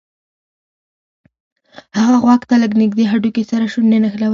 هغه غوږ ته له نږدې هډوکي سره شونډې نښلولې